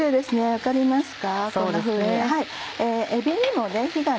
分かりますか？